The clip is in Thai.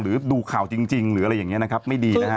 ดูข่าวจริงหรืออะไรอย่างนี้นะครับไม่ดีนะฮะ